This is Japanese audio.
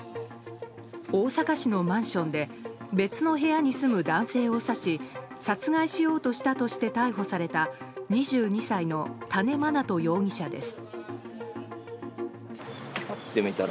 大阪市のマンションで別の部屋に住む男性を刺し殺害しようとしたとして逮捕された２２歳の多禰茉奈都容疑者です。